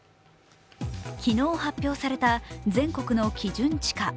昨日発表された全国の基準地価。